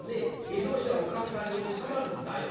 絵草紙屋のおかみさんに収まるんだよ」。